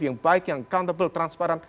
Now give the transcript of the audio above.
yang baik yang countable transparan